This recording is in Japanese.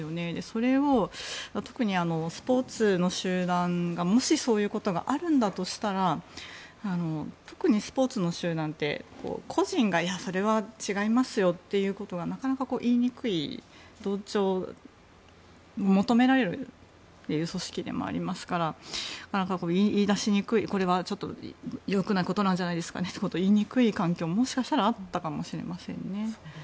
それを特にスポーツの集団がもしそういうことがあるんだとしたら特にスポーツの集団って個人がいや、それは違いますよということがなかなか言いにくい同調を求められるという組織でもありますから言い出しにくいこれはよくないことなんじゃないですかって言いにくい環境ももしかしたらあったかもしれませんね。